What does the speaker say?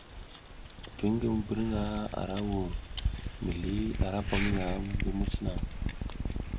Viŋ ngi mi bi hirga ara ra vur, mizli ara pam yam ngi muc naŋ.